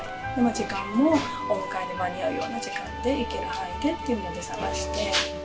時間もお迎えに間に合うような時間でいける範囲でっていうので探して。